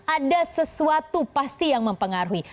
ada sesuatu pasti yang mempengaruhi